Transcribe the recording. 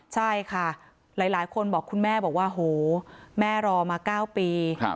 ใช่ค่ะหลายคนบอกคุณแม่บอกว่าโหแม่รอมา๙ปี